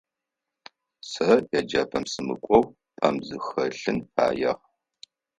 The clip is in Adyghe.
Сэ еджапӏэм сымыкӏоу пӏэм сыхэлъын фэягъ.